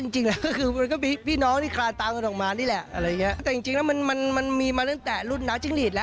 จริงคือมันก็พี่น้องคร่านตามกันออกมานี่แหละ